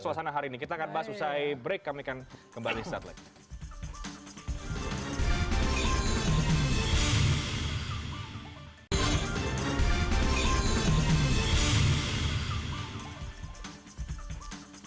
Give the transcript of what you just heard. suasana hari ini kita akan bahas usai break kami akan kembali saat lagi